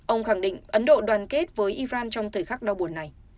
ông khẳng định ấn độ đoàn kết với iran trong thời khắc đau buồn này